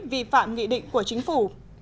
vi phạm nghị định của chính phủ